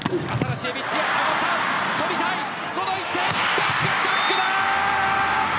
バックアタックだ！